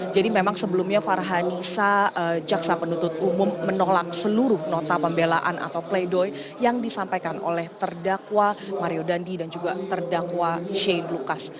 jadi memang sebelumnya farhanisa jaksa penuntut umum menolak seluruh nota pembelaan atau pleidoy yang disampaikan oleh terdakwa mario dandi dan juga terdakwa shane lucas